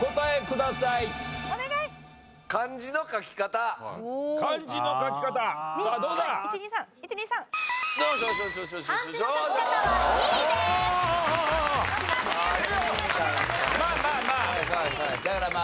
だからまあ。